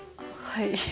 はい。